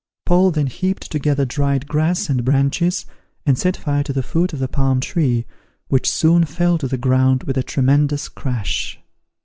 Paul then heaped together dried grass and branches, and set fire to the foot of the palm tree, which soon fell to the ground with a tremendous crash.